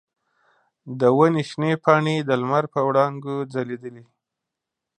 د ونې شنې پاڼې د لمر په وړانګو ځلیدلې.